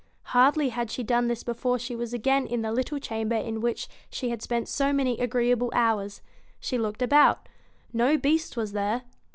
Hardly had she done this before she was again in the little chamber in which she had spent so many agreeable hours. She looked about ; no Beast was there.